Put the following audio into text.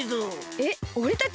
えっおれたち？